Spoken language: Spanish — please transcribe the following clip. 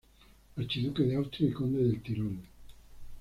Archiduque de Austria y conde del Tirol.